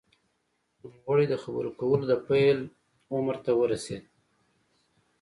نوموړی د خبرو کولو د پیل عمر ته ورسېد